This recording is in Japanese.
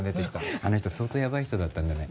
あの人相当ヤバい人だったんだね。ねぇ。